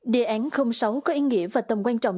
đề án sáu có ý nghĩa và tầm quan trọng